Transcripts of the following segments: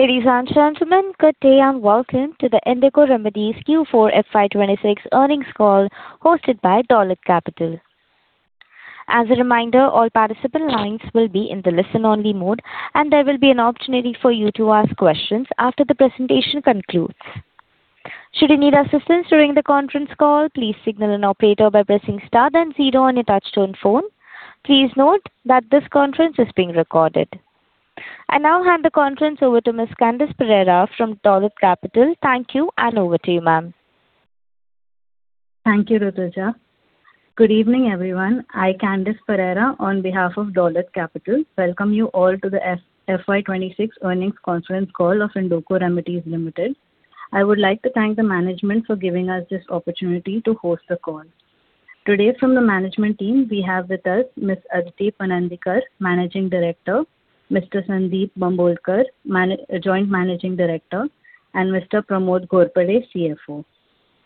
Ladies and gentlemen, good day and welcome to the Indoco Remedies Q4 FY 2026 earnings call hosted by Dolat Capital. As a reminder, all participant lines will be in the listen-only mode, and there will be an opportunity for you to ask questions after the presentation concludes. I now hand the conference over to Ms. Candice Pereira from Dolat Capital. Thank you, and over to you, ma'am. Thank you, Rituja. Good evening, everyone. I, Candice Pereira, on behalf of Dolat Capital, welcome you all to the FY 2026 earnings conference call of Indoco Remedies Limited. I would like to thank the management for giving us this opportunity to host the call. Today from the management team we have with us Ms. Aditi Panandikar, Managing Director, Mr. Sundeep Bambolkar, Joint Managing Director, and Mr. Pramod Ghorpade, CFO.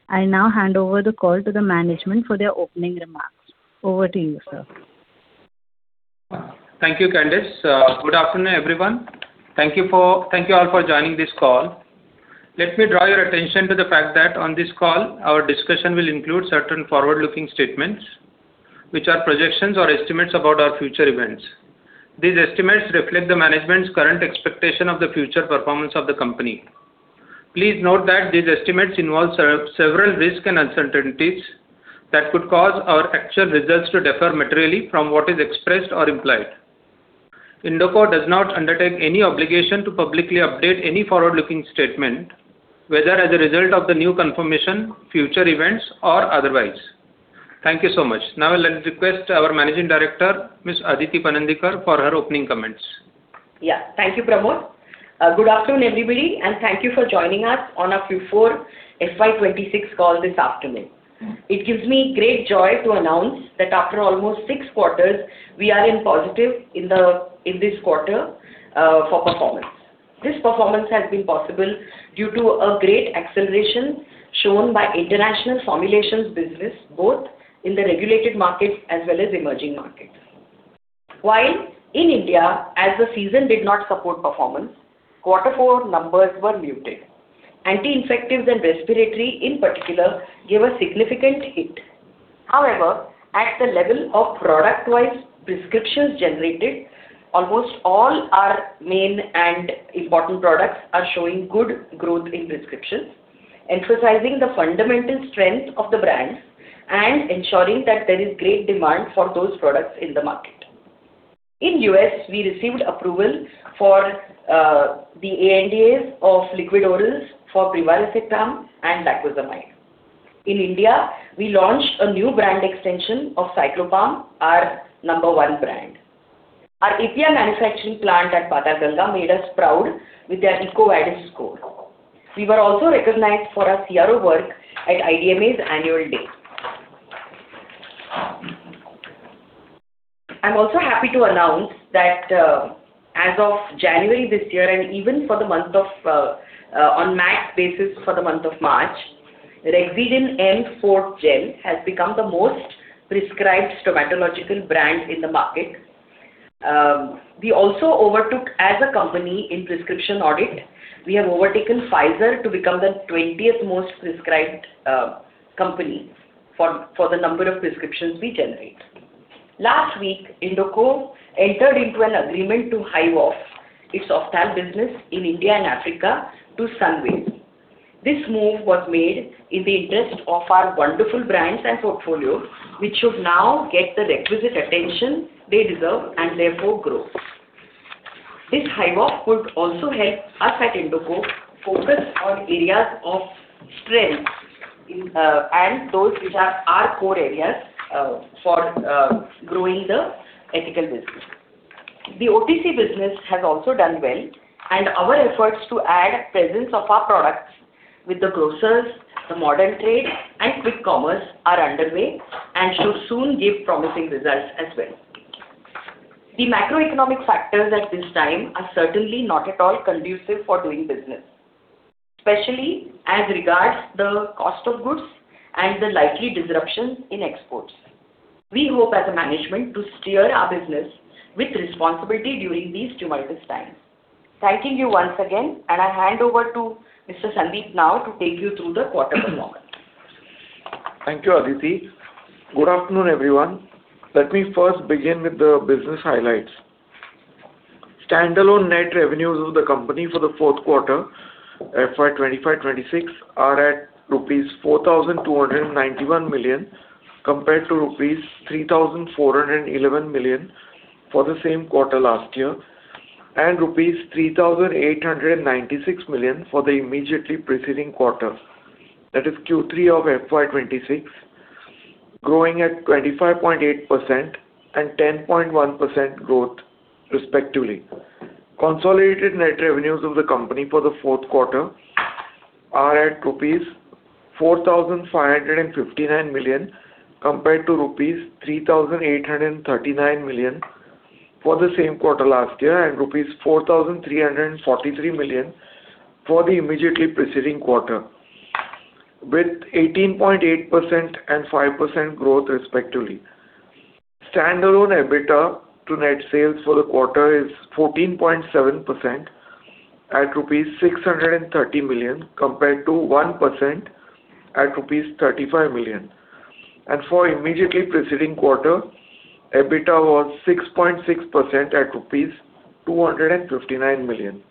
I now hand over the call to the management for their opening remarks. Over to you, sir. Thank you, Candice. Good afternoon, everyone. Thank you all for joining this call. Let me draw your attention to the fact that on this call, our discussion will include certain forward-looking statements, which are projections or estimates about our future events. These estimates reflect the management's current expectation of the future performance of the company. Please note that these estimates involve several risks and uncertainties that could cause our actual results to differ materially from what is expressed or implied. Indoco does not undertake any obligation to publicly update any forward-looking statement, whether as a result of the new confirmation, future events, or otherwise. Thank you so much. I'll request our Managing Director, Ms. Aditi Panandikar, for her opening comments. Thank you, Pramod. Good afternoon, everybody, and thank you for joining us on our Q4 FY 2026 call this afternoon. It gives me great joy to announce that after almost six quarters, we are in positive in this quarter for performance. This performance has been possible due to a great acceleration shown by international formulations business, both in the regulated markets as well as emerging markets. While in India, as the season did not support performance, quarter four numbers were muted. Anti-infectives and respiratory, in particular, gave a significant hit. However, at the level of product wise prescriptions generated, almost all our main and important products are showing good growth in prescriptions, emphasizing the fundamental strength of the brands and ensuring that there is great demand for those products in the market. In U.S., we received approval for the ANDAs of liquid orals for brivaracetam and lacosamide. In India, we launched a new brand extension of Cyclopam, our number one brand. Our API manufacturing plant at Patalganga made us proud with their EcoVadis score. We were also recognized for our CRO work at IDMA's Annual Day. I'm also happy to announce that as of January this year and even for the month of on MAT basis for the month of March, Rexidin-M Forte has become the most prescribed stomatological brand in the market. We also overtook, as a company in prescription audit, we have overtaken Pfizer to become the 20th most prescribed company for the number of prescriptions we generate. Last week, Indoco entered into an agreement to hive off its ophthalmic business in India and Africa to Sunways. This move was made in the interest of our wonderful brands and portfolio, which should now get the requisite attention they deserve and therefore grow. This hive off could also help us at Indoco focus on areas of strength in and those which are our core areas for growing the ethical business. The OTC business has also done well. Our efforts to add presence of our products with the grocers, the modern trade and quick commerce are underway and should soon give promising results as well. The macroeconomic factors at this time are certainly not at all conducive for doing business, especially as regards the cost of goods and the likely disruptions in exports. We hope as a management to steer our business with responsibility during these tumultuous times. Thanking you once again, and I hand over to Mr. Sundeep now to take you through the quarter performance. Thank you, Aditi. Good afternoon, everyone. Let me first begin with the business highlights. Standalone net revenues of the company for the fourth quarter, FY 2025/2026, are at rupees 4,291 million, compared to rupees 3,411 million for the same quarter last year and rupees 3,896 million for the immediately preceding quarter, that is Q3 of FY 2026, growing at 25.8% and 10.1% growth respectively. Consolidated net revenues of the company for the fourth quarter are at rupees 4,559 million compared to rupees 3,839 million for the same quarter last year and rupees 4,343 million for the immediately preceding quarter. With 18.8% and 5% growth respectively. Standalone EBITDA to net sales for the quarter is 14.7% at rupees 630 million, compared to 1% at rupees 35 million. For the immediately preceding quarter, EBITDA was 6.6% at rupees 259 million.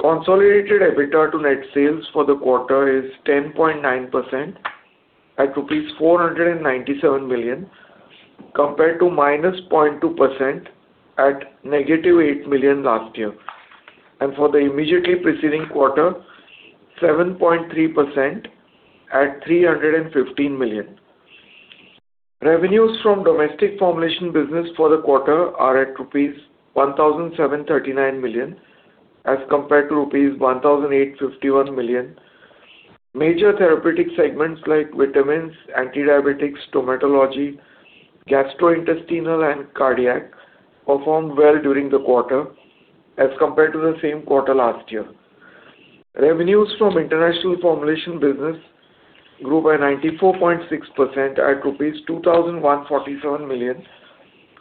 Consolidated EBITDA to net sales for the quarter is 10.9% at rupees 497 million, compared to -0.2% at -8 million last year. For the immediately preceding quarter, 7.3% at 315 million. Revenues from domestic formulation business for the quarter are at rupees 1,739 million as compared to rupees 1,851 million. Major therapeutic segments like vitamins, antidiabetics, dermatology, gastrointestinal, and cardiac performed well during the quarter as compared to the same quarter last year. Revenues from international formulation business grew by 94.6% at rupees 2,147 million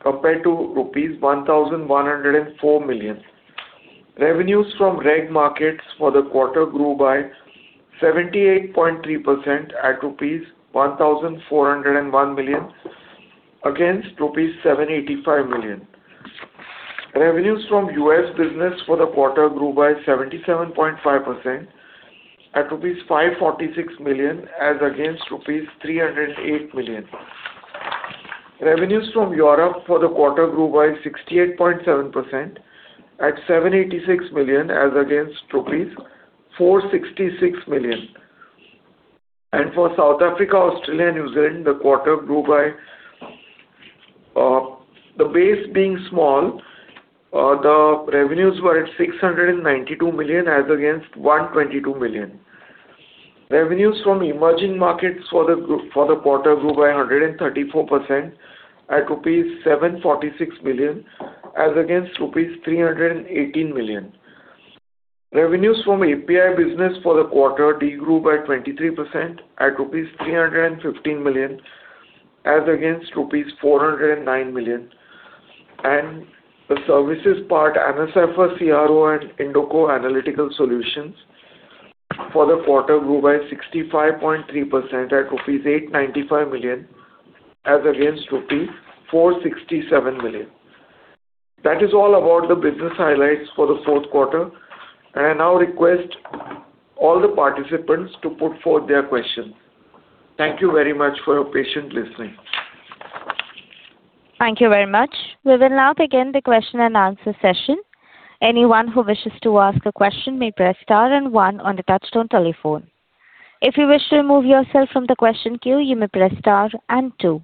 compared to rupees 1,104 million. Revenues from reg markets for the quarter grew by 78.3% at rupees 1,401 million against rupees 785 million. Revenues from U.S. business for the quarter grew by 77.5% at rupees 546 million as against rupees 308 million. Revenues from Europe for the quarter grew by 68.7% at 786 million as against rupees 466 million. For South Africa, Australia, New Zealand, the quarter grew by, the base being small, the revenues were at 692 million as against 122 million. Revenues from emerging markets for the quarter grew by 134% at rupees 746 million as against rupees 318 million. Revenues from API business for the quarter de-grew by 23% at rupees 315 million as against rupees 409 million. The services part, AnaCipher CRO and Indoco Analytical Solutions for the quarter grew by 65.3% at rupees 895 million as against rupees 467 million. That is all about the business highlights for the fourth quarter, and I now request all the participants to put forth their questions. Thank you very much for your patient listening. Thank you very much. We will now begin the question and answer session. Anyone who wishes to ask a question may press star and one on the touchtone telephone. If you wish to remove yourself from the question queue, you may press star and two.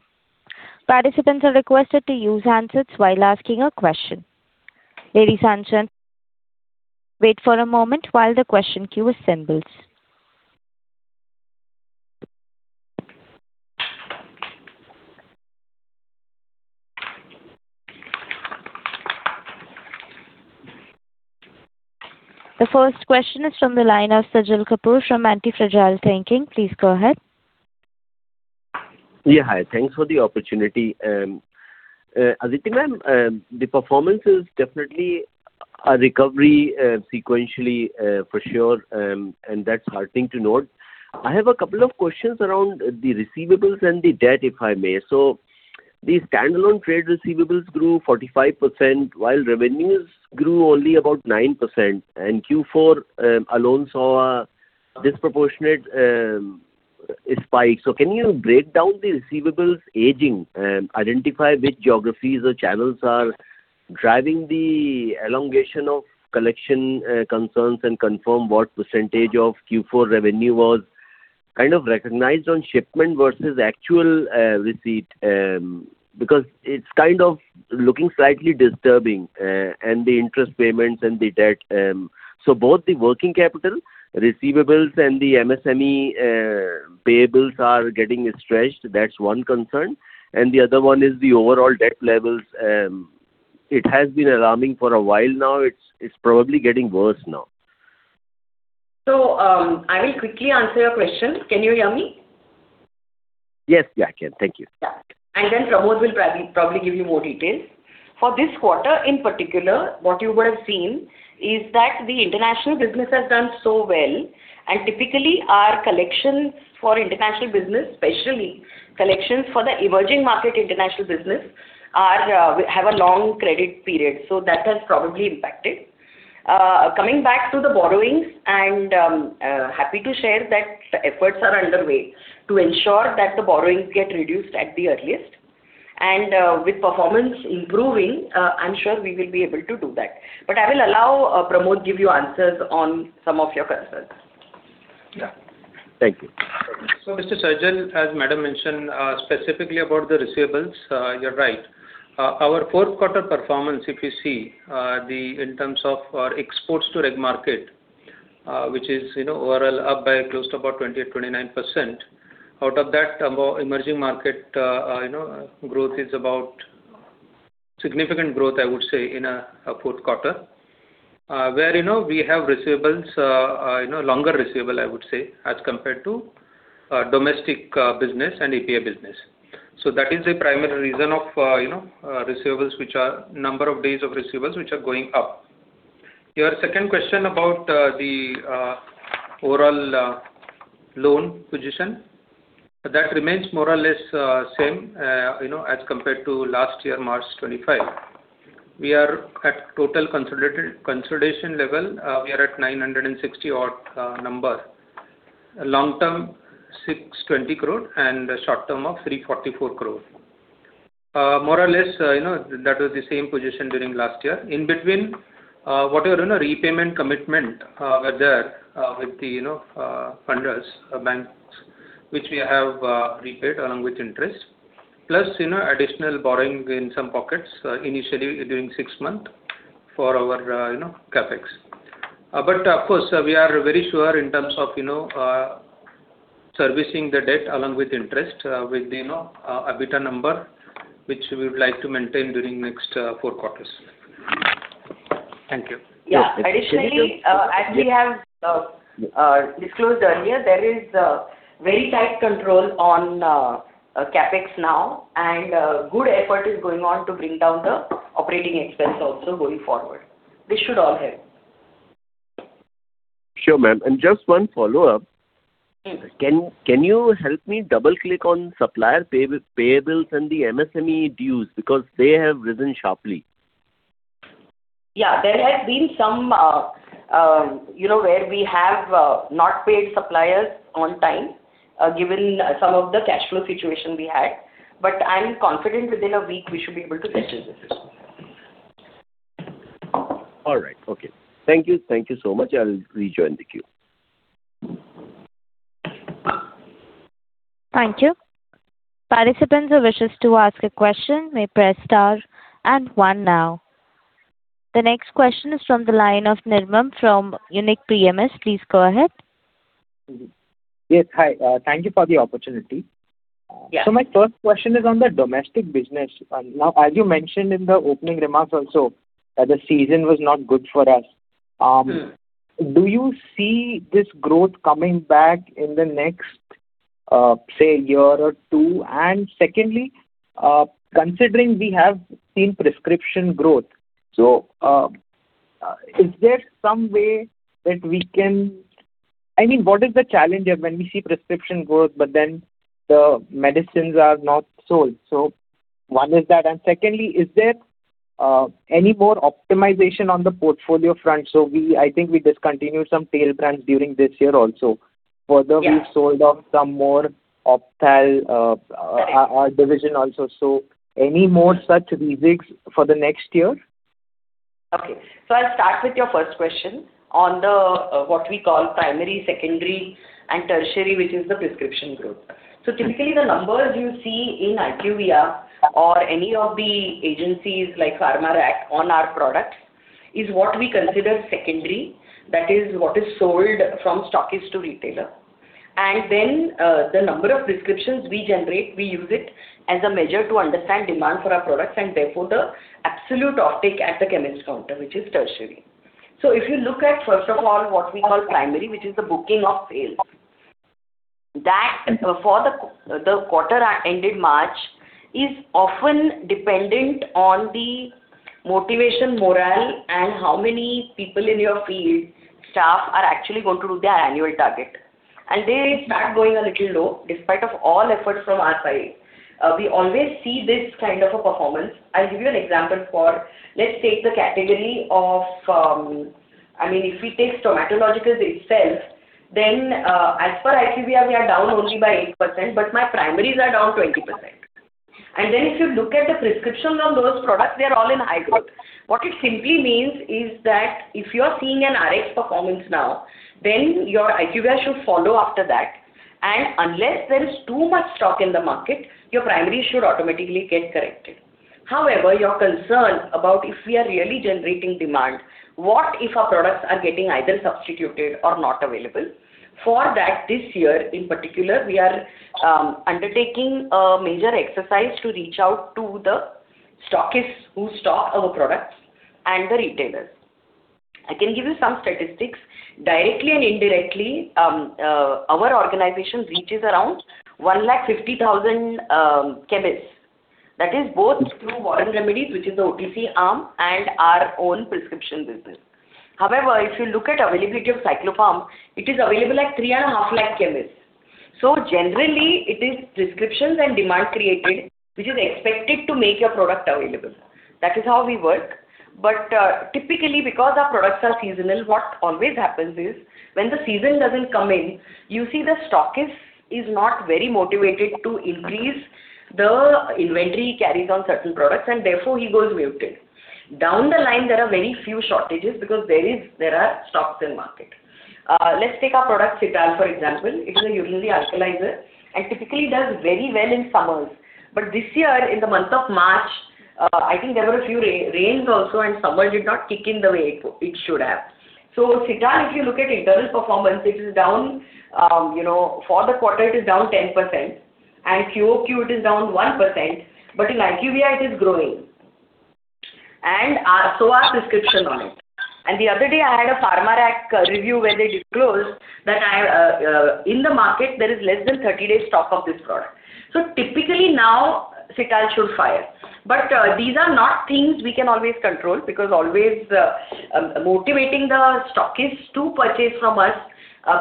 Participants are requested to use handsets while asking a question. Ladies and gents, wait for a moment while the question queue assembles. The first question is from the line of Sajal Kapoor from Antifragile Thinking. Please go ahead. Yeah. Hi. Thanks for the opportunity. Aditi, ma'am, the performance is definitely a recovery sequentially, for sure, and that's heartening to note. I have a couple of questions around the receivables and the debt, if I may. The standalone trade receivables grew 45%, while revenues grew only about 9%, and Q4 alone saw a disproportionate spike. Can you break down the receivables aging, identify which geographies or channels are driving the elongation of collection concerns and confirm what percentage of Q4 revenue was kind of recognized on shipment versus actual receipt? Because it's kind of looking slightly disturbing, and the interest payments and the debt. Both the working capital receivables and the MSME payables are getting stretched. That's one concern. The other one is the overall debt levels. It has been alarming for a while now. It's probably getting worse now. I will quickly answer your questions. Can you hear me? Yes. Yeah, I can. Thank you. Yeah. Then Pramod will probably give you more details. For this quarter in particular, what you would have seen is that the international business has done so well, and typically our collections for international business, especially collections for the emerging market international business are, we have a long credit period. That has probably impacted. Coming back to the borrowings and happy to share that efforts are underway to ensure that the borrowings get reduced at the earliest. With performance improving, I'm sure we will be able to do that. I will allow Pramod give you answers on some of your concerns. Yeah. Thank you. Mr. Sajal, as madam mentioned, specifically about the receivables, you're right. Our fourth quarter performance, if you see, in terms of our exports to reg market, which is, you know, overall up by close to about 20% to 29%. Out of that, emerging market, you know, growth is about Significant growth, I would say, in our fourth quarter. Where, you know, we have receivables, you know, longer receivable, I would say, as compared to domestic business and API business. That is the primary reason of, you know, receivables which are number of days of receivables, which are going up. Your second question about the overall loan position. That remains more or less same, you know, as compared to last year, March 2025. We are at total consolidated, consolidation level, we are at 960 odd number. Long-term, 620 crore and short-term of 344 crore. More or less, you know, that was the same position during last year. In between, whatever, you know, repayment commitment, were there, with the, you know, funders, banks, which we have, repaid along with interest. Plus, you know, additional borrowing in some pockets, initially during six month for our, you know, CapEx. Of course, we are very sure in terms of, you know, servicing the debt along with interest, with the, you know, EBITDA number, which we would like to maintain during next, four quarters. Thank you. Yeah. Additionally, as we have disclosed earlier, there is very tight control on CapEx now, and good effort is going on to bring down the operating expense also going forward. This should all help. Sure, ma'am. Just one follow-up. Can you help me double-click on supplier payables and the MSME dues because they have risen sharply. Yeah. There has been some, you know, where we have not paid suppliers on time, given some of the cash flow situation we had. I'm confident within a week we should be able to settle this. All right. Okay. Thank you. Thank you so much. I'll rejoin the queue. Thank you. Participants who wishes to ask a question may press star and one now. The next question is from the line of Nirmam Mehta from Unique PMS. Please go ahead. Yes. Hi. Thank you for the opportunity. Yeah. My first question is on the domestic business. Now, as you mentioned in the opening remarks also that the season was not good for us. Do you see this growth coming back in the next, say a year or two? Secondly, considering we have seen prescription growth, is there some way that we can I mean, what is the challenge of when we see prescription growth, but then the medicines are not sold? One is that. Secondly, is there any more optimization on the portfolio front? I think we discontinued some tail brands during this year also. Yeah. We've sold off some more opthal. Correct. Division also. Any more such re-mix for the next year? Okay. I'll start with your first question on the what we call primary, secondary and tertiary, which is the prescription growth. Typically the numbers you see in IQVIA or any of the agencies like PharmaRack on our products is what we consider secondary. That is what is sold from stockist to retailer. The number of prescriptions we generate, we use it as a measure to understand demand for our products and therefore the absolute offtake at the chemist counter, which is tertiary. If you look at first of all what we call primary, which is the booking of sales. That for the quarter ended March, is often dependent on the motivation morale and how many people in your field staff are actually going to do their annual target. There it's not going a little low, despite of all efforts from our side. We always see this kind of a performance. I'll give you an example for, let's take the category of, I mean, if we take stomatologicals itself, then, as per IQVIA, we are down only by 8%, but my primaries are down 20%. If you look at the prescriptions on those products, they are all in high growth. What it simply means is that if you are seeing an Rx performance now, then your IQVIA should follow after that. Unless there is too much stock in the market, your primaries should automatically get corrected. However, your concern about if we are really generating demand, what if our products are getting either substituted or not available? This year in particular, we are undertaking a major exercise to reach out to the stockists who stock our products and the retailers. I can give you some statistics. Directly and indirectly, our organization reaches around 150,000 chemists. That is both through Warren Remedies, which is the OTC arm, and our own prescription business. If you look at availability of Cyclopam, it is available at 3.5 lakh chemists. Generally it is prescriptions and demand created which is expected to make your product available. That is how we work. Typically because our products are seasonal, what always happens is when the season doesn't come in, you see the stockist is not very motivated to increase the inventory he carries on certain products and therefore he goes muted. Down the line, there are very few shortages because there are stocks in market. Let's take our product Cital, for example. It is a urinary alkalizer and typically does very well in summers. This year, in the month of March, I think there were a few rains also, and summer did not kick in the way it should have. Cital, if you look at internal performance, it is down, you know, for the quarter it is down 10% and QOQ it is down 1%, but in IQVIA it is growing. So are prescriptions on it. The other day I had a PharmaRack review where they disclosed that in the market, there is less than 30 days stock of this product. Typically now Cital should fire. These are not things we can always control because always, motivating the stockists to purchase from us,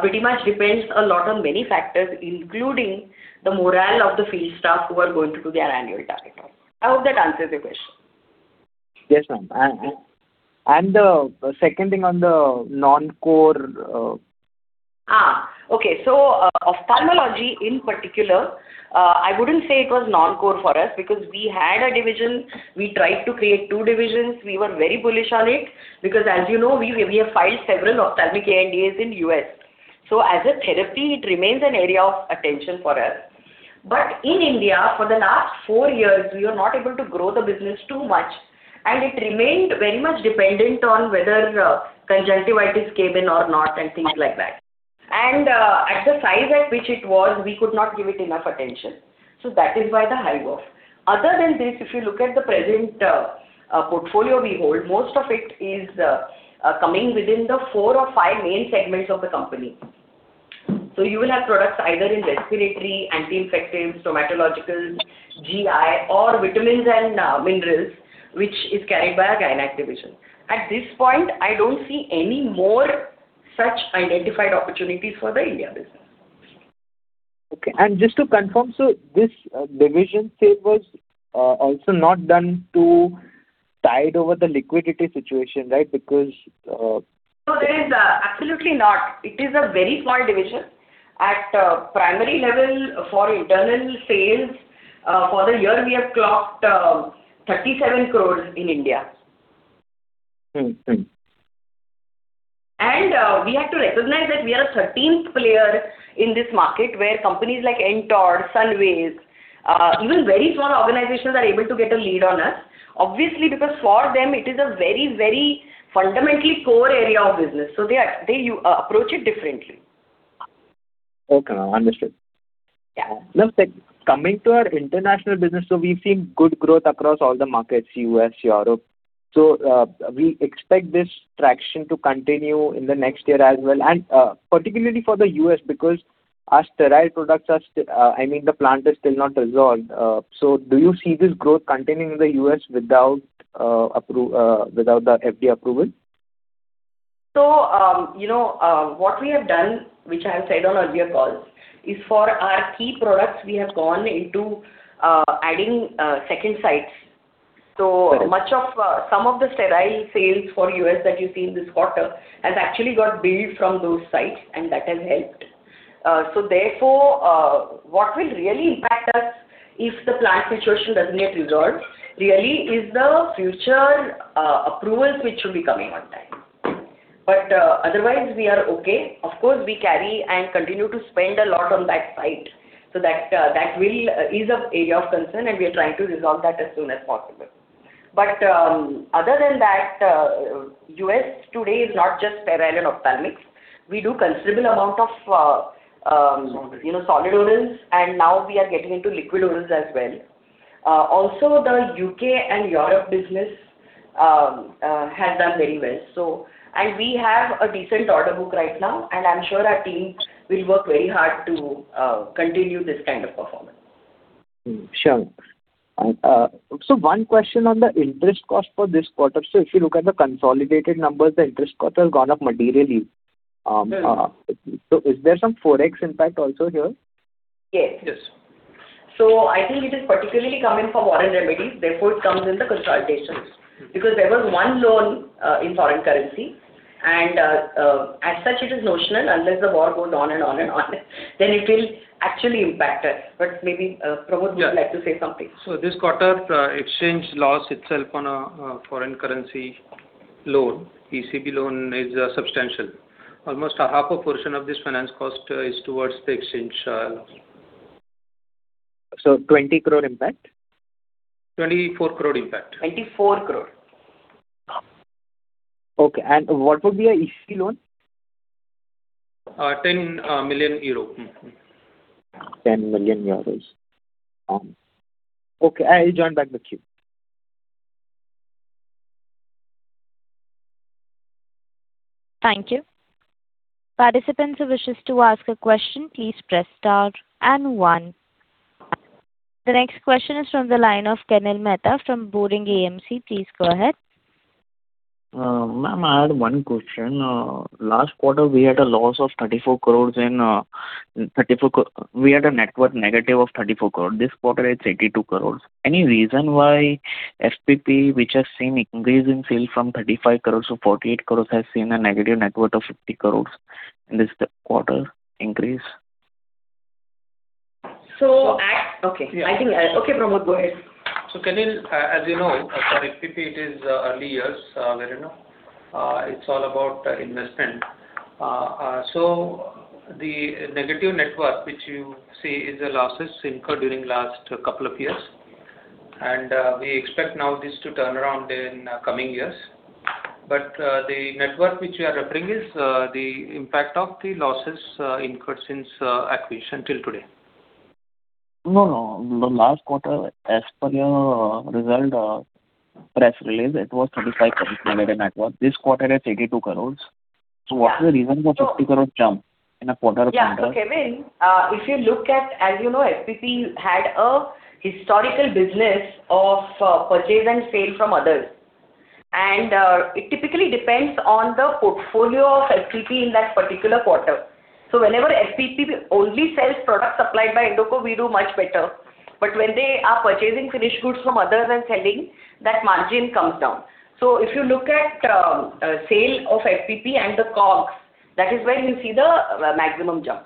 pretty much depends a lot on many factors, including the morale of the field staff who are going to do their annual target. I hope that answers your question. Yes, ma'am. Second thing on the non-core, Ophthalmology in particular, I wouldn't say it was non-core for us because we had a division. We tried to create two divisions. We were very bullish on it because as you know, we have filed several ophthalmic ANDAs in U.S. As a therapy, it remains an area of attention for us. In India, for the last four years, we were not able to grow the business too much, and it remained very much dependent on whether conjunctivitis came in or not and things like that. At the size at which it was, we could not give it enough attention. That is why the high off. Other than this, if you look at the present portfolio we hold, most of it is coming within the four or five main segments of the company. You will have products either in respiratory, anti-infectives, stomatological, GI or vitamins and minerals, which is carried by our gyne division. At this point, I don't see any more such identified opportunities for the India business. Okay. Just to confirm, this division sale was also not done to tide over the liquidity situation, right? No, there is absolutely not. It is a very small division. At primary level for internal sales, for the year we have clocked 37 crores in India. We have to recognize that we are a 13th player in this market where companies like Entod, Sunways, even very small organizations are able to get a lead on us, obviously, because for them it is a very, very fundamentally core area of business. They approach it differently. Okay, ma'am. Understood. Yeah. Ma'am, coming to our international business, we've seen good growth across all the markets, U.S., Europe. We expect this traction to continue in the next year as well. Particularly for the U.S. because our sterile products are still not resolved. Do you see this growth continuing in the U.S. without the FDA approval? You know, what we have done, which I have said on earlier calls, is for our key products, we have gone into adding second sites. Much of some of the sterile sales for U.S. that you see in this quarter has actually got built from those sites, and that has helped. Therefore, what will really impact us if the plant situation doesn't get resolved really is the future approvals which should be coming on time. Otherwise we are okay. Of course, we carry and continue to spend a lot on that site. That will is an area of concern, and we are trying to resolve that as soon as possible. Other than that, U.S. today is not just sterile and ophthalmics. Solids. You know, solid orals, and now we are getting into liquid orals as well. Also the U.K. and Europe business has done very well. We have a decent order book right now, and I'm sure our team will work very hard to continue this kind of performance. Mm-hmm. Sure. One question on the interest cost for this quarter. If you look at the consolidated numbers, the interest cost has gone up materially. Yes. Is there some forex impact also here? Yes. I think it is particularly coming from Warren Remedies. Therefore, it comes in the consolidations. There was 1 loan in foreign currency and, as such it is notional. Unless the war goes on and on and on then it will actually impact us. Maybe, Pramod Ghorpade. Yeah Would like to say something. This quarter, the exchange loss itself on a foreign currency loan, ECB loan is substantial. Almost a 1/2 a portion of this finance cost is towards the exchange loss. 20 crore impact? 24 crore impact. 24 crore. Okay. What would be a ECB loan? 10 million euros. Mm-hmm. 10 million euros. Okay. I'll join back the queue. Thank you. Participants who wishes to ask a question, please press star and one. The next question is from the line of Kunil Mehta from Boring AMC. Please go ahead. Ma'am, I had one question. Last quarter, we had a loss of 34 crore. We had a net worth negative of 34 crore. This quarter it's 82 crore. Any reason why FPP, which has seen increase in sales from 35 crore to 48 crore, has seen a negative net worth of 50 crore in this quarter increase? At Okay. Yeah. I think okay, Pramod, go ahead. Kunil, as you know, for FPP it is early years, where, you know, it's all about investment. The negative net worth which you see is the losses incurred during last couple of years. We expect now this to turn around in coming years. The net worth which you are referring is the impact of the losses incurred since acquisition till today. No, no. The last quarter, as per your result, press release, it was 35,000 million net worth. This quarter it's 82 crores. What's the reason for 50 crore jump in a quarter? Yeah. Kunil Mehta, if you look at, as you know, FPP had a historical business of purchase and sale from others. It typically depends on the portfolio of FPP in that particular quarter. Whenever FPP only sells products supplied by Indoco, we do much better. When they are purchasing finished goods from others and selling, that margin comes down. If you look at sale of FPP and the costs, that is where you see the maximum jump.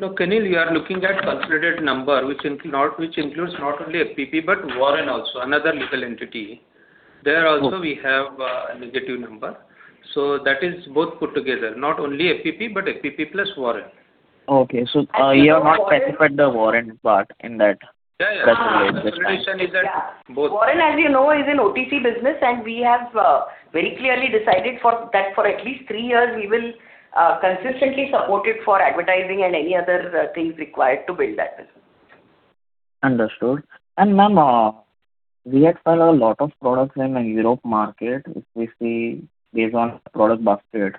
No, Kunil, we are looking at consolidated number, which includes not only FPP, but Warren Remedies also, another legal entity. There also we have a negative number. That is both put together, not only FPP, but FPP plus Warren Remedies. Okay. you have not specified the Warren part in that. Yeah, yeah. The reason is that. Yeah. Warren, as you know, is an OTC business. We have very clearly decided that for at least three years we will consistently support it for advertising and any other things required to build that business. Understood. Ma'am, we export a lot of products in the Europe market, which we see based on product basket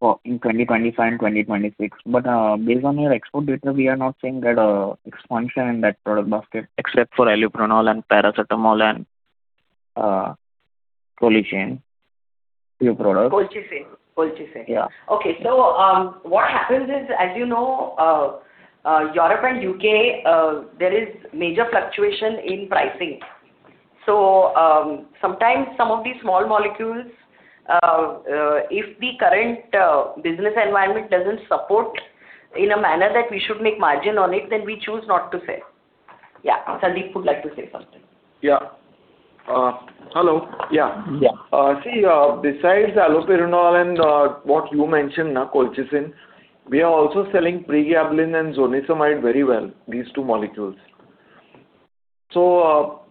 for, in 2025 and 2026. Based on your export data, we are not seeing that expansion in that product basket, except for allopurinol and paracetamol and colchicine, few products. Colchicine, colchicine. Yeah. Okay. What happens is, as you know, Europe and U.K., there is major fluctuation in pricing. Sometimes some of these small molecules, if the current business environment doesn't support in a manner that we should make margin on it, then we choose not to sell. Yeah. Sundeep would like to say something. Yeah. Hello. Yeah. Yeah. See, besides allopurinol and what you mentioned, colchicine, we are also selling pregabalin and zonisamide very well, these two molecules.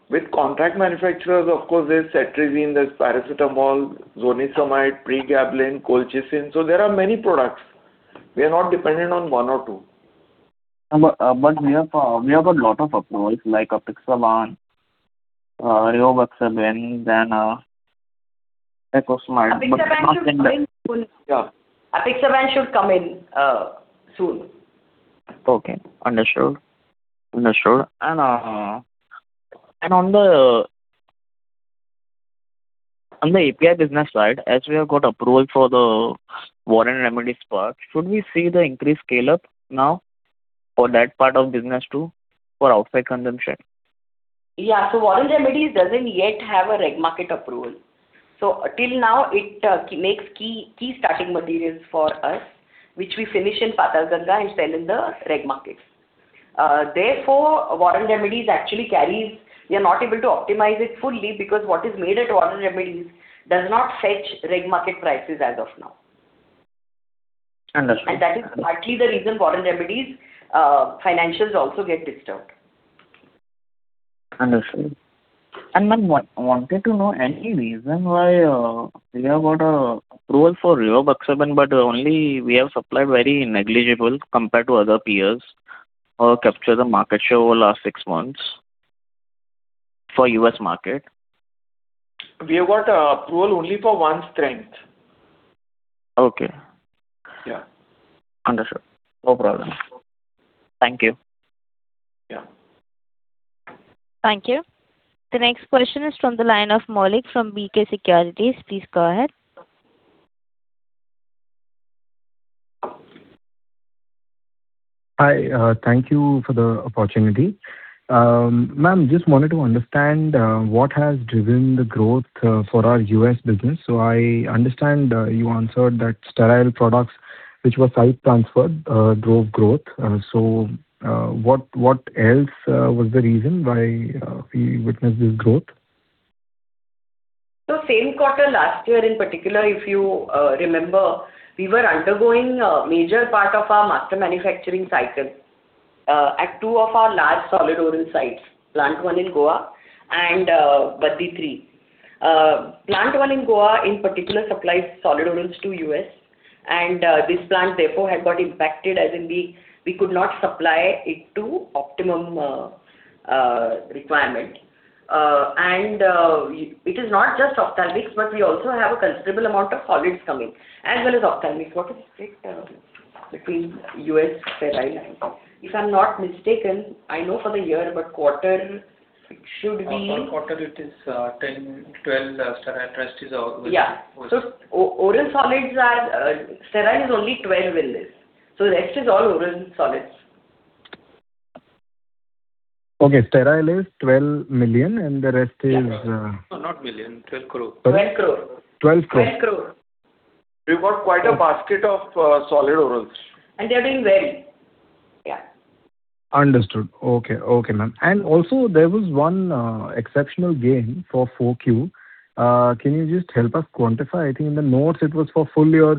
With contract manufacturers, of course, there's cetirizine, there's paracetamol, zonisamide, pregabalin, colchicine. There are many products. We are not dependent on one or two. We have a lot of approvals like apixaban, rivaroxaban, then, lacosamide. apixaban should come in soon. Apixaban should come in, soon. Okay. Understood. Understood. On the API business side, as we have got approval for the Warren Remedies part, should we see the increased scale-up now for that part of business too, for outside consumption? Yeah. Warren Remedies doesn't yet have a reg market approval. Till now it makes key starting materials for us, which we finish in Patalganga and sell in the reg market. Therefore, We are not able to optimize it fully because what is made at Warren Remedies does not fetch reg market prices as of now. Understood. That is partly the reason Warren Remedies, financials also get disturbed. Understood. Ma'am, I wanted to know any reason why we have got approval for rivaroxaban, but only we have supplied very negligible compared to other peers or capture the market share over last six months for U.S. market. We have got approval only for one strength. Okay. Yeah. Understood. No problem. Thank you. Yeah. Thank you. The next question is from the line of Maulik from B&K Securities. Please go ahead. Hi. Thank you for the opportunity. Ma'am, just wanted to understand what has driven the growth for our U.S. business. I understand you answered that sterile products, which were site transferred, drove growth. What else was the reason why we witnessed this growth? Same quarter last year in particular, if you remember, we were undergoing a major part of our master manufacturing cycle at two of our large solid oral sites, plant one in Goa and Baddi three. Plant one in Goa in particular supplies solid orals to U.S. This plant therefore had got impacted, as in we could not supply it to optimum requirement. It is not just ophthalmics, but we also have a considerable amount of solids coming, as well as ophthalmic. What is it, Sundeep, between U.S. sterile and If I'm not mistaken, I know for the year, but quarter it should be. For quarter it is, 10 crore, 12 crore sterile. Rest is all. Yeah. oral solids are sterile is only 12 crorein this. The rest is all oral solids. Okay. Sterile is 12 million and the rest is, No, not million, 12 crore. 12 crore. 12 crore. We've got quite a basket of solid orals. They're doing well. Yeah. Understood. Okay. Okay, ma'am. Also there was one exceptional gain for 4Q. Can you just help us quantify? I think in the notes it was for full year,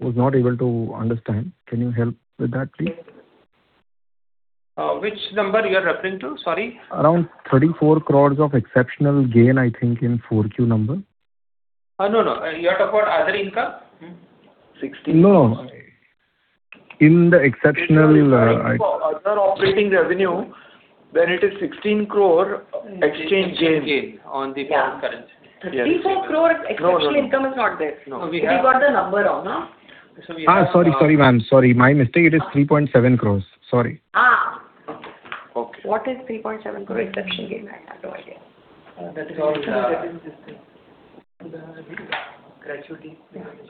was not able to understand. Can you help with that, please? Which number you are referring to? Sorry. Around 34 crores of exceptional gain, I think, in 4Q number. No, no. You are talking about other income? Mm-hmm. 16 crore No. If you look at other operating revenue, it is 16 crore exchange gain. Exchange gain on the foreign currency. 34 crore exceptional income is not there. We have got the number wrong, huh? Sorry. Sorry, ma'am. Sorry. My mistake. It is 3.7 crores. Sorry. Okay. What is 3.7 crore exception gain? I have no idea. That is also within this thing. Gratuity.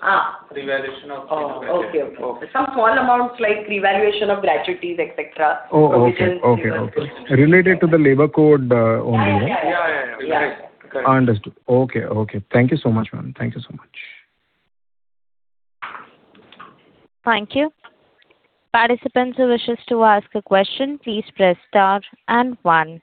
Revaluation of gratuity. Oh, okay. Okay. Some small amounts like revaluation of gratuities, et cetera. Oh, okay. Okay. Okay. Related to the labor code, only, yeah? Yeah, yeah. Yeah, yeah. Related. Correct. Understood. Okay, okay. Thank you so much, ma'am. Thank you so much. Thank you. Participants who wishes to ask a question, please press star and one.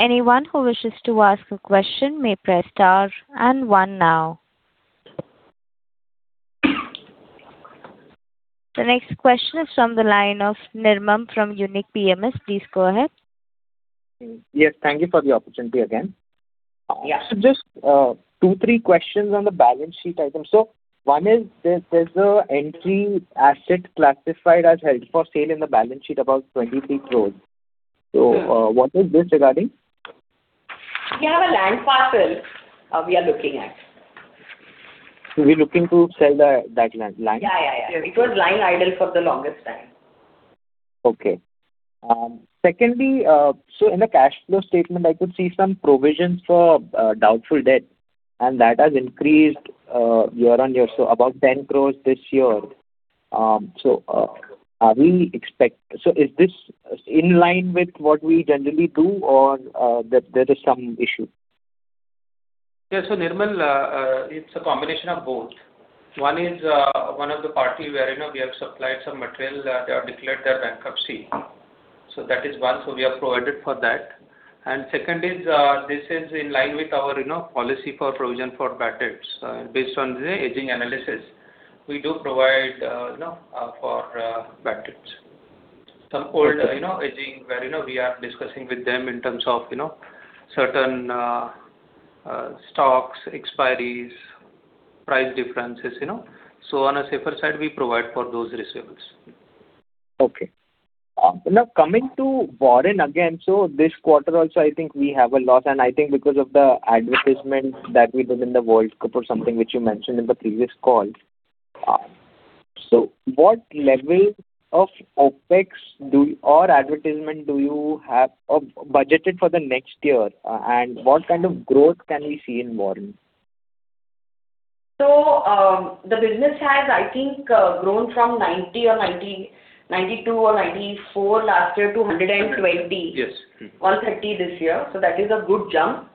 Anyone who wishes to ask a question may press star and one now. The next question is from the line of Nirmam from Unique PMS. Please go ahead. Yes, thank you for the opportunity again. Yeah. Just two, three questions on the balance sheet item. One is there's an entry asset classified as held for sale in the balance sheet about 23 crores. Yeah. What is this regarding? We have a land parcel, we are looking at. We're looking to sell that land? Yeah. Yeah. Yeah. It was lying idle for the longest time. Okay. Secondly, in the cash flow statement, I could see some provisions for doubtful debt, and that has increased year on year, about 10 crores this year. Is this in line with what we generally do or that there is some issue? Yeah. Nirmam, it's a combination of both. One is one of the party where, you know, we have supplied some materials. They have declared their bankruptcy. That is one, so we have provided for that. Second is, this is in line with our, you know, policy for provision for bad debts. Based on the aging analysis, we do provide for bad debts. Okay. You know, aging where, you know, we are discussing with them in terms of, you know, certain stocks, expiries, price differences, you know. On a safer side, we provide for those receivables. Okay. Now coming to Warren again. This quarter also, I think we have a loss, and I think because of the advertisement that we did in the World Cup or something, which you mentioned in the previous call. What level of OpEx or advertisement do you have budgeted for the next year? What kind of growth can we see in Warren? The business has, I think, grown from 90 or 90, 92 or 94 last year to 120- Yes. Or 30 this year. That is a good jump.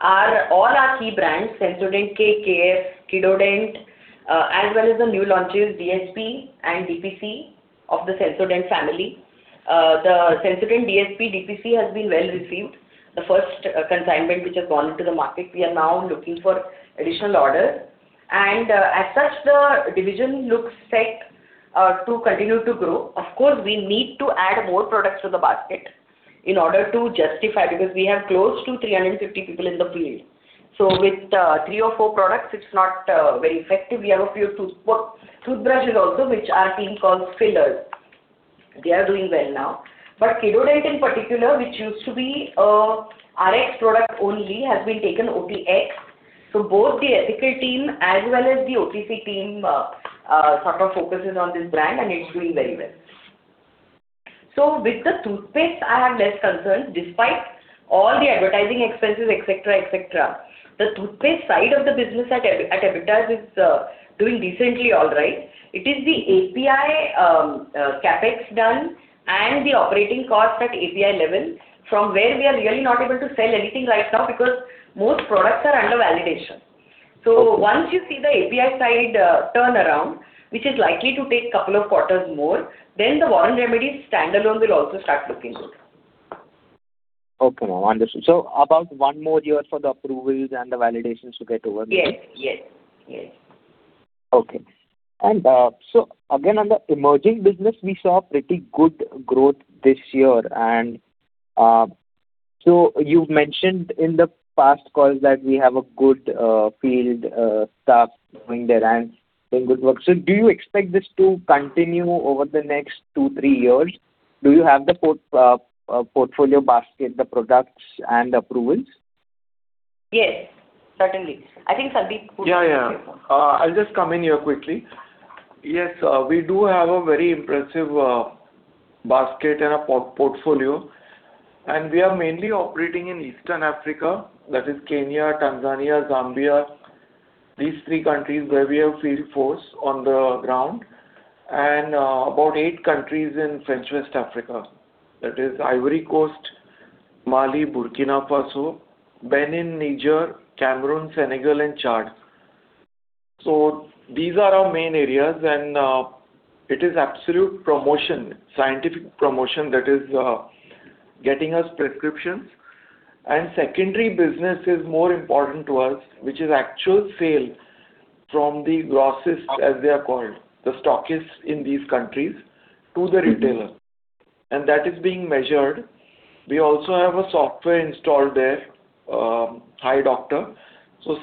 All our key brands, Sensodent-K, Sensodent-KF, Kidodent, as well as the new launches, Sensodent DSP and Sensodent DPC of the Sensodent family. The Sensodent DSP, Sensodent DPC has been well received. The first consignment which has gone into the market, we are now looking for additional order. As such, the division looks set to continue to grow. Of course, we need to add more products to the basket in order to justify because we have close to 350 people in the field. With three or four products, it's not very effective. We have a few toothbrushes also, which are being called fillers. They are doing well now. Kidodent in particular, which used to be a Rx product only, has been taken OTX. Both the ethical team as well as the OTC team sort of focuses on this brand, and it's doing very well. Despite all the advertising expenses, et cetera, et cetera, the toothpaste side of the business at EBITDA is doing decently all right. It is the API CapEx done and the operating cost at API level from where we are really not able to sell anything right now because most products are under validation. Once you see the API side turn around, which is likely to take two quarters more, then the Warren Remedies standalone will also start looking good. Okay, ma'am. Understood. About one more year for the approvals and the validations to get over with? Yes. Yes. Yes. Okay. Again, on the emerging business, we saw pretty good growth this year. You've mentioned in the past calls that we have a good field staff going there and doing good work. Do you expect this to continue over the next two, three years? Do you have the portfolio basket, the products and approvals? Yes, certainly. I think Sundeep. Yeah. Be able to say more. I'll just come in here quickly. Yes, we do have a very impressive basket and a portfolio, we are mainly operating in Eastern Africa. That is Kenya, Tanzania, Zambia, these three countries where we have field force on the ground, about eight countries in French West Africa. That is Ivory Coast, Mali, Burkina Faso, Benin, Niger, Cameroon, Senegal, and Chad. These are our main areas, it is absolute promotion, scientific promotion that is getting us prescriptions. Secondary business is more important to us, which is actual sale from the grossistes, as they are called, the stockists in these countries, to the retailer. That is being measured. We also have a software installed there, iDoctor.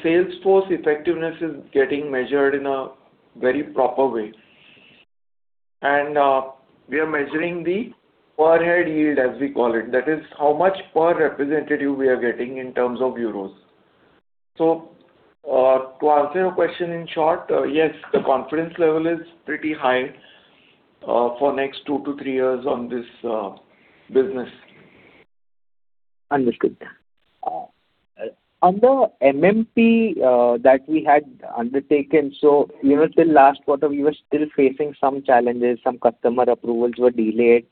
Sales force effectiveness is getting measured in a very proper way. We are measuring the per head yield as we call it. That is how much per representative we are getting in terms of euros. To answer your question in short, yes, the confidence level is pretty high, for next two to three years on this business. Understood. On the MMP that we had undertaken, even till last quarter, we were still facing some challenges, some customer approvals were delayed.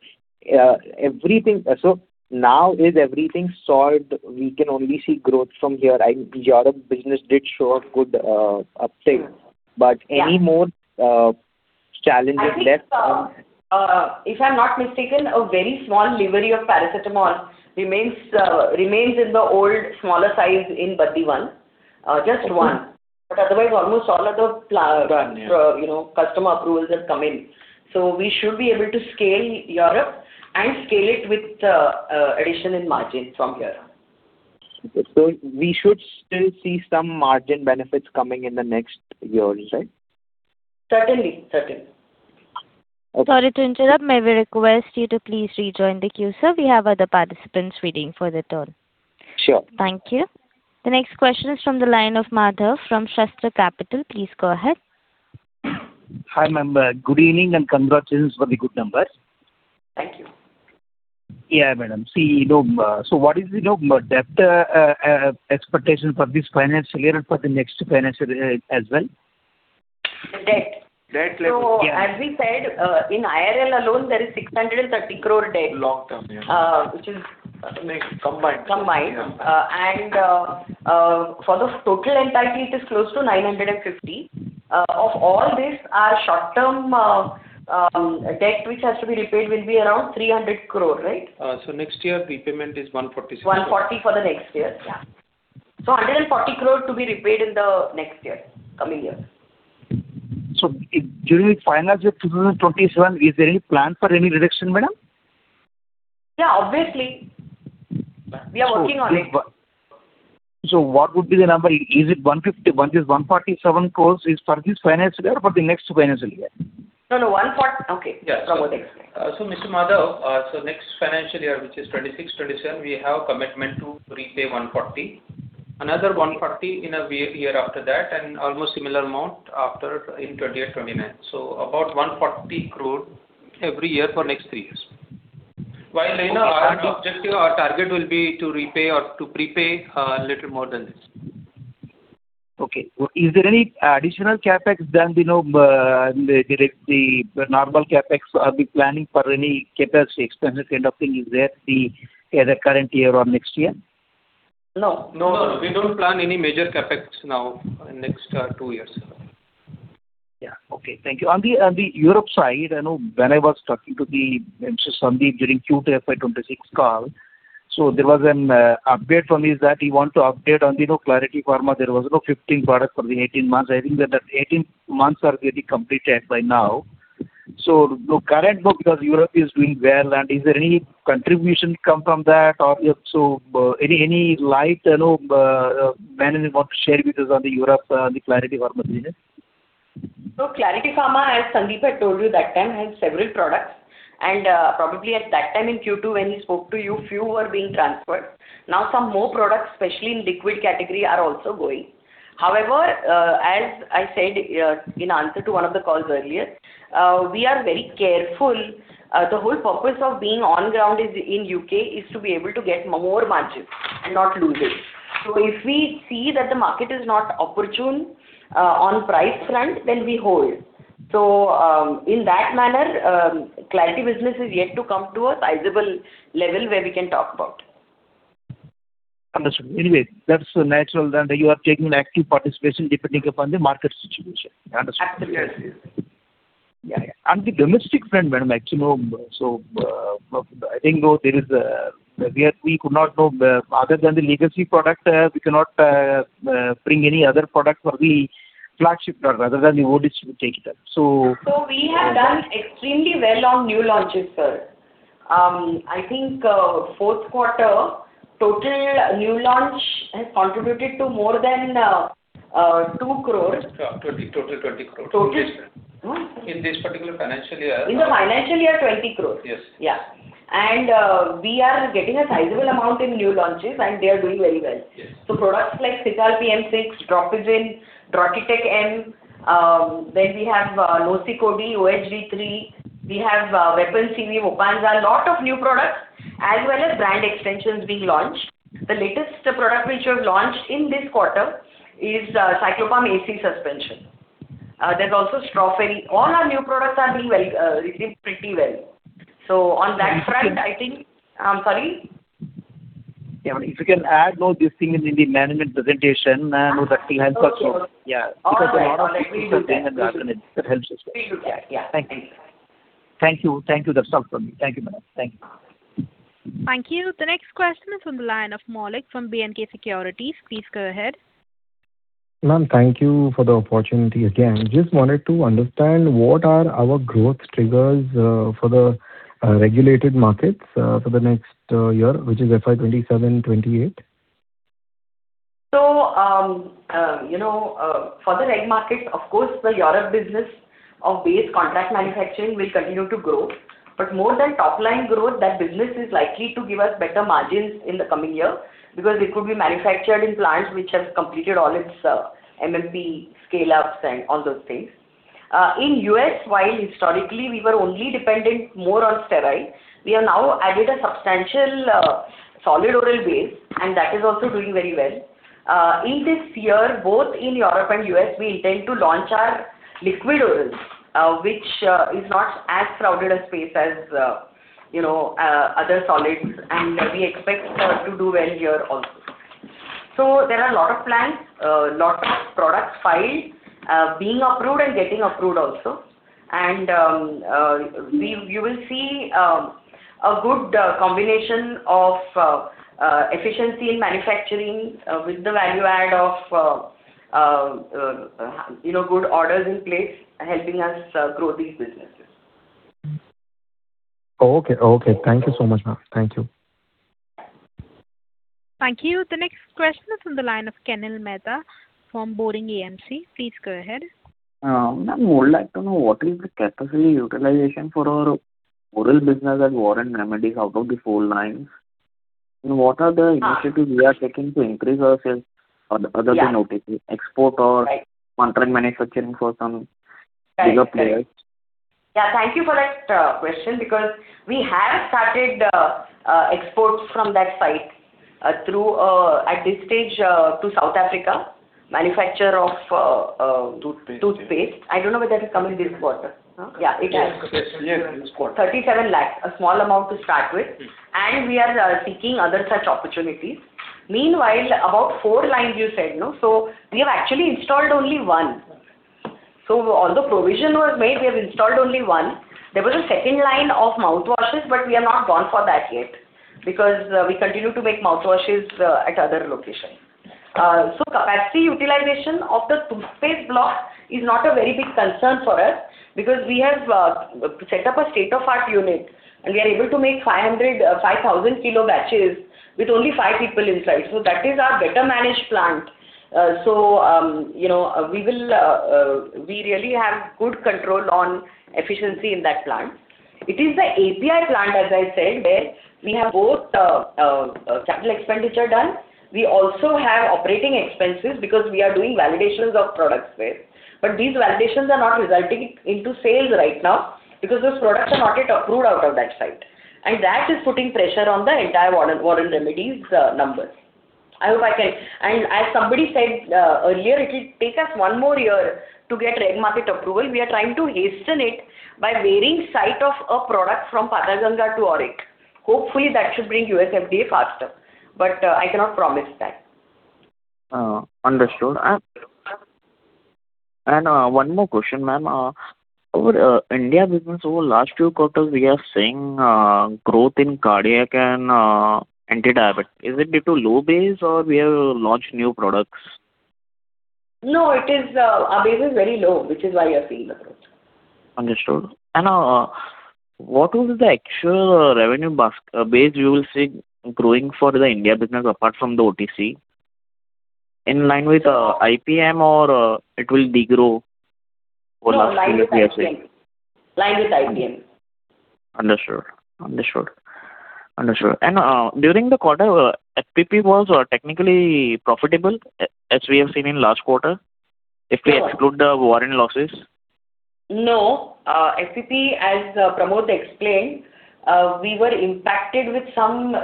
Now is everything solved, we can only see growth from here? Europe business did show a good uptake. Yeah. Any more challenges left? I think, if I'm not mistaken, a very small delivery of paracetamol remains in the old smaller size in Baddi one, just one. Otherwise, almost all other. Done, yeah. You know, customer approvals have come in. We should be able to scale Europe and scale it with addition in margin from here on. We should still see some margin benefits coming in the next years, right? Certainly. Certainly. Sorry to interrupt. May we request you to please rejoin the queue, sir. We have other participants waiting for their turn. Sure. Thank you. The next question is from the line of Madhav from Shastra Capital. Please go ahead. Hi, ma'am. Good evening, and congratulations for the good numbers. Thank you. Yeah, madam. See, you know, what is, you know, debt expectation for this financial year and for the next financial year as well? The debt. Debt level. As we said, in IRL alone, there is 630 crore debt. Long-term, yeah. Uh, which is- Combined. Combined. For the total entity, it is close to 950 crore. Of all this, our short-term debt which has to be repaid will be around 300 crore, right? Next year, prepayment is 147. 140 for the next year. Yeah. 140 crore to be repaid in the next year, coming year. During financial year 2027, is there any plan for any reduction, madam? Yeah, obviously. We are working on it. What would be the number? Is it 147 crores for this financial year or for the next financial year? No, no. 140. Okay. Yeah. Mr. Madhav, so next financial year, which is 2026, 2027, we have commitment to repay 140. Another 140 in a year after that, and almost similar amount after in 2028, 2029. About 140 crore every year for next three years. While in our objective, our target will be to repay or to prepay a little more than this. Okay. Is there any additional CapEx than, you know, the normal CapEx? Are we planning for any CapEx expensive kind of thing? Is there either current year or next year? No. No. We don't plan any major CapEx now in next two years. Yeah. Okay. Thank you. On the Europe side, I know when I was talking to the Mr. Sundeep Bambolkar during Q2 FY 2026 call, there was an update from him that he want to update on, you know, Clarity Pharma. There was, you know, 15 products for the 18 months. I think that the 18 months are getting completed by now. The current, you know, because Europe is doing well, and is there any contribution come from that or, any light, you know, management want to share with us on the Europe, the Clarity Pharma business? Clarity Pharma, as Sundeep had told you that time, has several products. And, probably at that time in Q2 when he spoke to you, few were being transferred. Now, some more products, especially in liquid category, are also going. As I said, in answer to one of the calls earlier, we are very careful. The whole purpose of being on ground in U.K. is to be able to get more margins and not lose it. If we see that the market is not opportune, on price front, then we hold. In that manner, Clarity business is yet to come to a sizable level where we can talk about. Understood. Anyway, that's natural that you are taking an active participation depending upon the market situation. I understand. Yes. Yes. Yeah. On the domestic front, madam, actually, no, We could not know, other than the legacy product, we cannot bring any other product for the flagship product, rather than the old distributor take it up. We have done extremely well on new launches, sir. I think, fourth quarter, total new launch has contributed to more than 2 crores. Yeah, 20. Total 20 crores. Total Hmm? In this particular financial year. In the financial year, 20 crores. Yes. Yeah. We are getting a sizable amount in new launches, and they are doing very well. Yes. Products like Cicalpm6, Dropizin, Drotitec M, we have Locycode, OHG3. We have Vepan CV, opanza. A lot of new products as well as brand extensions being launched. The latest product which we have launched in this quarter is Cyclopam Suspension. There's also Strawferri. All our new products are doing well, pretty well. Sorry? Yeah, if you can add those listings in the management presentation, that will help us more. Okay. Yeah. All right. All right. We will do that. A lot of investors read the management. That helps us more. We will do that. Yeah. Thank you. Thank you. Thank you. That's all from me. Thank you, madam. Thank you. Thank you. The next question is on the line of Maulik from B&K Securities. Please go ahead. Ma'am, thank you for the opportunity again. Just wanted to understand what are our growth triggers for the regulated markets for the next year, which is FY 2027, 2028? You know, for the reg markets, of course, the Europe business of base contract manufacturing will continue to grow. More than top-line growth, that business is likely to give us better margins in the coming year because it could be manufactured in plants which have completed all its MMP scale-ups and all those things. In U.S., while historically we were only dependent more on steroids, we have now added a substantial solid oral base, and that is also doing very well. In this year, both in Europe and U.S., we intend to launch our liquid orals, which is not as crowded a space as, you know, other solids. We expect to do well here also. There are a lot of plans, lots of products filed, being approved and getting approved also. You will see a good combination of efficiency in manufacturing, with the value add of, you know, good orders in place helping us grow these businesses. Okay. Okay. Thank you so much, ma'am. Thank you. Thank you. The next question is on the line of Kunil Mehta from Boring AMC. Please go ahead. Ma'am, more I'd like to know what is the capacity utilization for our oral business at Warren Remedies out of the four lines. What are the initiatives we are taking to increase our sales other than OTC, export or contract manufacturing for some bigger players? Yeah. Thank you for that question because we have started exports from that site, through at this stage, to South Africa, manufacture of. Toothpaste. Toothpaste. I don't know whether it has come in this quarter, huh? Yeah, it has. Yes. Yes. This quarter. 37 lakhs. A small amount to start with. We are seeking other such opportunities. Meanwhile, about four lines you said, no? We have actually installed only one. Although provision was made, we have installed only one. There was a second line of mouthwashes, we have not gone for that yet because we continue to make mouthwashes at other locations. Capacity utilization of the toothpaste block is not a very big concern for us because we have set up a state-of-art unit, we are able to make 500, 5,000 kilo batches with only five people inside. That is our better managed plant. You know, we really have good control on efficiency in that plant. It is the API plant, as I said, where we have both capital expenditure done. We also have operating expenses because we are doing validations of products there. These validations are not resulting into sales right now because those products are not yet approved out of that site. That is putting pressure on the entire Warren Remedies numbers. As somebody said earlier, it'll take us one more year to get reg market approval. We are trying to hasten it by varying site of a product from Patalganga to Aurangabad. Hopefully, that should bring U.S. FDA faster, but I cannot promise that. Understood. One more question, ma'am. Our India business over last few quarters, we are seeing growth in cardiac and anti-diabetic. Is it due to low base or we have launched new products? No, it is, our base is very low, which is why you are seeing the growth. Understood. What is the actual revenue base you will see growing for the India business apart from the OTC? In line with IPM or it will degrow for next few years, say? No, in line with IPM. In line with IPM. Understood. Understood. Understood. During the quarter, FPP was technically profitable as we have seen in last quarter, if we exclude the Warren losses? No. FPP, as Pramod explained, we were impacted with some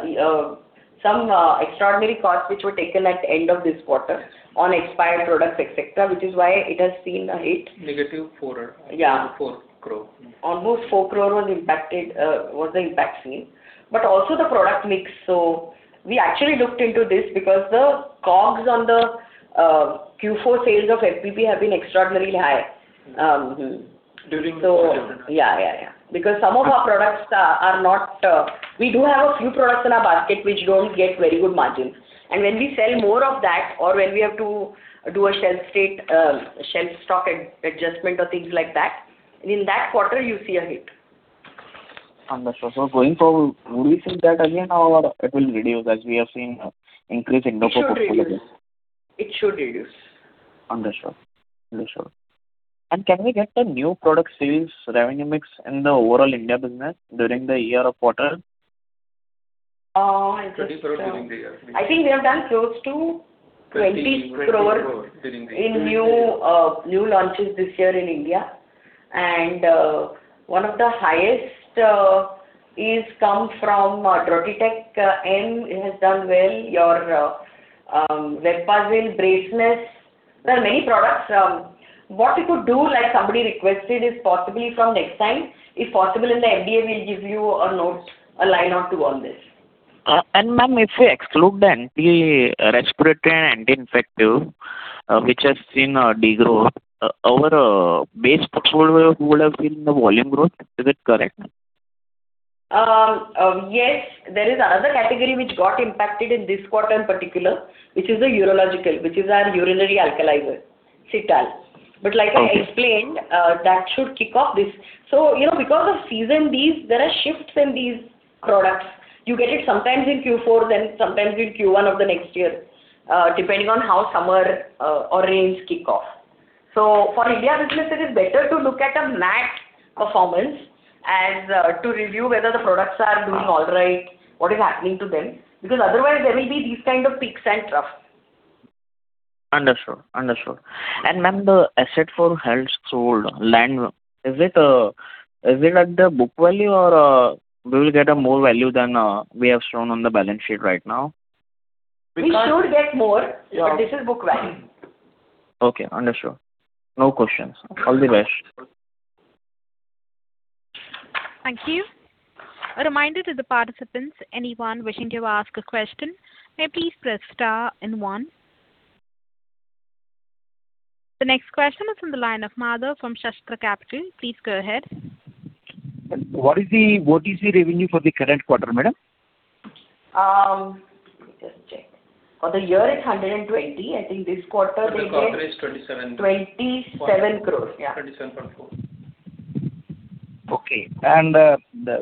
extraordinary costs which were taken at end of this quarter on expired products, et cetera, which is why it has seen a hit. -4 crore. Yeah. 4 crore. Almost 4 crore was impacted, was the impact seen. Also the product mix. We actually looked into this because the COGS on the Q4 sales of FPP have been extraordinarily high. During- So- The quarter. Yeah. Yeah. Yeah. Some of our products are not. We do have a few products in our basket which don't get very good margins. When we sell more of that or when we have to do a shelf stock adjustment or things like that, in that quarter you see a hit. Understood. Going forward, would we see that again or it will reduce as we are seeing increase in doctor popularity? It should reduce. It should reduce. Understood. Understood. Can we get the new product sales revenue mix in the overall India business during the year or quarter? Uh, I think- 2024 during the year. I think we have done close to 20 crore. INR 20 crore during the year. In new new launches this year in India. One of the highest is come from Drotitec, and it has done well. Your Vepan, Braceness. There are many products. What you could do, like somebody requested, is possibly from next time, if possible, in the FDA, we'll give you a note, a line or two on this. Ma'am, if we exclude the anti respiratory and anti-infective, which has seen degrowth, our base control would have been the volume growth. Is it correct, ma'am? Yes. There is another category which got impacted in this quarter in particular, which is the urological, which is our urinary alkalizer, Cital. Okay. Like I explained, that should kick off this. You know, because of season these, there are shifts in these products. You get it sometimes in Q4, sometimes in Q1 of the next year, depending on how summer or rains kick off. For India business it is better to look at a MAT performance and to review whether the products are. Doing all right, what is happening to them. Otherwise there will be these kind of peaks and troughs. Understood. Understood. Ma'am, the asset for health sold land, is it at the book value or we will get a more value than we have shown on the balance sheet right now? We should get more- Yeah. This is book value. Okay, understood. No questions. All the best. Thank you. A reminder to the participants, anyone wishing to ask a question, may please press star and 1. The next question is on the line of Madhav from Shastra Capital. Please go ahead. What is the revenue for the current quarter, madam? Let me just check. For the year it's 120. Total quarter is INR 27. 27 crores. Yeah. 27.4 crore. Okay. the,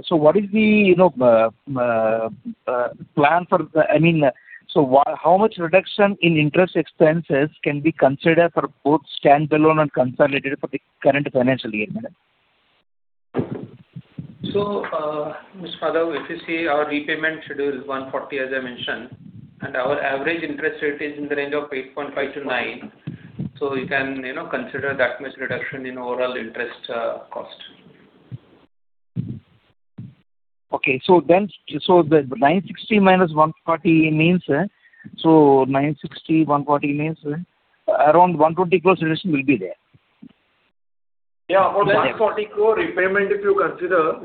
so what is the, you know, plan for the I mean, how much reduction in interest expenses can be considered for both standalone and consolidated for the current financial year, madam? Mr. Madhav, if you see our repayment schedule is 140, as I mentioned, and our average interest rate is in the range of 8.5%-9%. You can, you know, consider that much reduction in overall interest cost. Okay. The 960 crore-140 crore means, 960 crore, 140 crore means, around 120 crores reduction will be there. Yeah. For that 40 crore repayment, if you consider.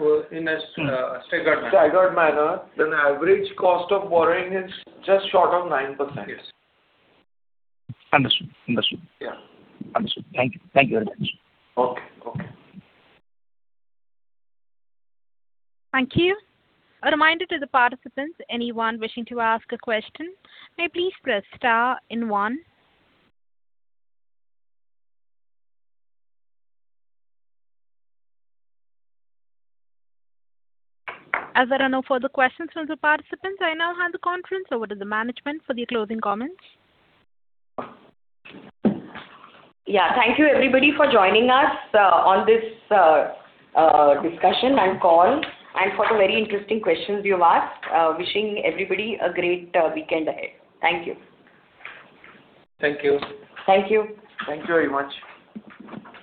Staggered manner. Staggered manner. average cost of borrowing is just short of 9%. Yes. Understood. Understood. Yeah. Understood. Thank you. Thank you very much. Okay. Okay. Thank you. A reminder to the participants, anyone wishing to ask a question, may please press star and one. As there are no further questions from the participants, I now hand the conference over to the management for their closing comments. Yeah. Thank you, everybody, for joining us on this discussion and call, and for the very interesting questions you have asked. Wishing everybody a great weekend ahead. Thank you. Thank you. Thank you. Thank you very much.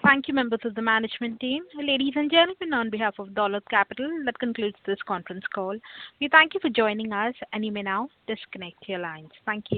Thank you, members of the management team. Ladies and gentlemen, on behalf of Dolat Capital, that concludes this conference call. We thank you for joining us, and you may now disconnect your lines. Thank you.